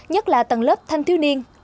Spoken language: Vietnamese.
nhất là tầng lớp thanh thiếu niên